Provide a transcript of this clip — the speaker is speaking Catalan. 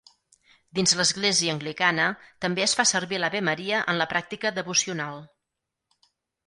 Dins l'Església Anglicana també es fa servir l'avemaria en la pràctica devocional.